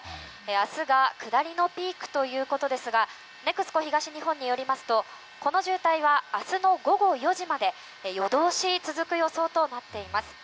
明日が下りのピークということですがＮＥＸＣＯ東日本によりますとこの渋滞は明日の午後４時まで夜通し続く予想となっています。